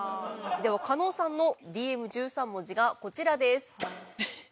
では加納さんのＤＭ１３文字がこちらです。